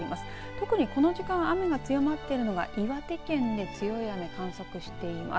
特にこの時間雨が強まっているのが岩手県で強い雨を観測しています。